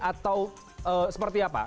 atau seperti apa